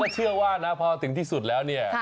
เชื่อว่านะพอถึงที่สุดแล้วเนี่ย